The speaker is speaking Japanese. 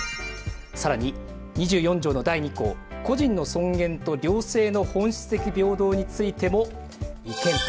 更に２４条の第２項「個人の尊厳と両性の本質的平等」についても違憲と。